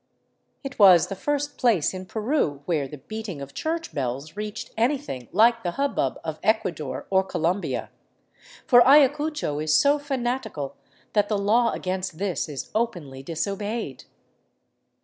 It was the first place in Peru where the beating of church bells reached any thing like the hubbub of Ecuador or Colombia, for Ayacucho is so fanatical that the law against this is openly disobeyed.